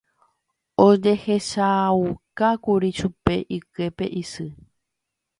ojehechaukákuri chupe iképe isy